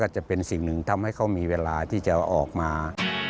จะเป็นสิ่งหนึ่งทำให้เขามีเวลาที่จะออกมา